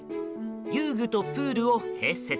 遊具とプールを併設。